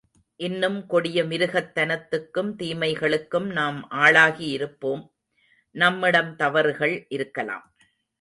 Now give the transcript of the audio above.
இன்னும் கொடிய மிருகத்தனத்துக்கும் தீமைகளுக்கும் நாம் ஆளாகி இருப்போம். நம்மிடம் தவறுக்கள் இருக்கலாம்.